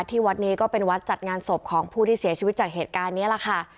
ที่วัดนี้ก็เป็นวัดจัดงานศพของผู้ที่เสียชีวิตจากเหตุการณ์นี้แหละค่ะ